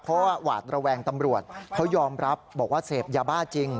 เพราะว่าหวาดระแวงตำรวจเขายอมรับบอกว่าเสพยาบ้าจริง